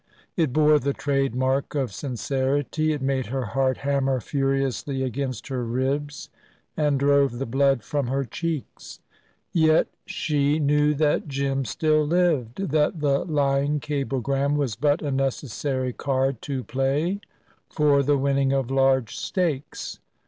It bore the trademark of sincerity; it made her heart hammer furiously against her ribs, and drove the blood from her cheeks. Yet she knew that Jim still lived; that the lying cablegram was but a necessary card to play for the winning of large stakes.